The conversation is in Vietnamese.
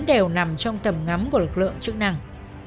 đều nằm trong tầm ngắm của lực lượng chức năng